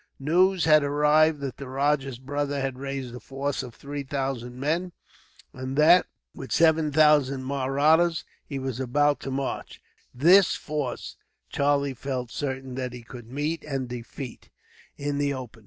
News had arrived that the rajah's brother had raised a force of three thousand men; and that, with seven thousand Mahrattas, he was about to march. This force, Charlie felt certain that he could meet and defeat, in the open.